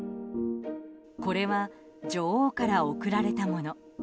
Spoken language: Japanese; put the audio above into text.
これは、女王から贈られたもの。